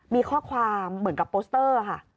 มีข้อความเหมือนกับโปสเตอร์ค่ะ